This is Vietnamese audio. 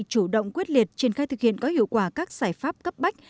chủ động quyết liệt triển khai thực hiện có hiệu quả các giải pháp cấp bách